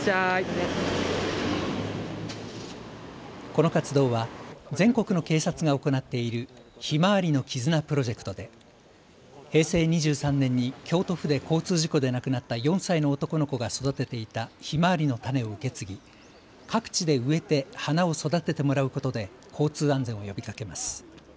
この活動は全国の警察が行っているひまわりの絆プロジェクトで平成２３年に京都府で交通事故で亡くなった４歳の男の子が育てていたひまわりの種を受け継ぎ各地で植えて花を育ててもらうことで交通安全を呼びかけます。